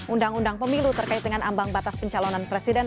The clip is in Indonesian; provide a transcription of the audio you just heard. undang undang pemilu terkait dengan ambang batas pencalonan presiden